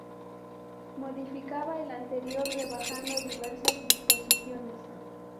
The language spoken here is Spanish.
Modificaba el anterior, rebajando diversas disposiciones.